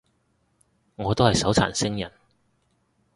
我都係手殘星人